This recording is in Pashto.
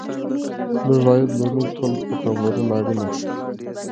د لږ عاید لرونکو خلکو ته پاملرنه اړینه ده.